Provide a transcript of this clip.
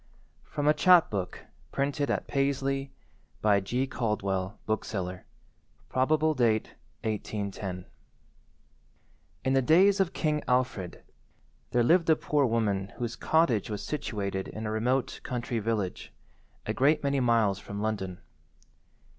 [From a Chap–book printed at Paisley, by G. Caldwell, bookseller. Probable date, 1810] In the days of King Alfred there lived a poor woman whose cottage was situated in a remote country village, a great many miles from London.